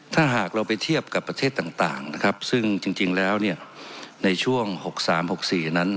ถ้าหากเราไปเทียบกับประเทศต่างนะครับซึ่งจริงแล้วเนี่ยในช่วง๖๓๖๔นั้น